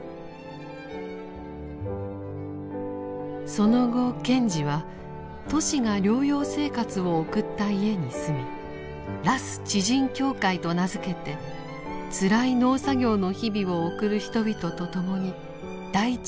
その後賢治はトシが療養生活を送った家に住み羅須地人協会と名付けてつらい農作業の日々を送る人々と共に大地に生きようとしました。